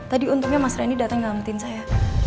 tadi untungnya mas renny dateng ngametin saya